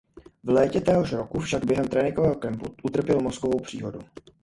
V létě téhož roku však během tréninkového kempu utrpěl mozkovou příhodu.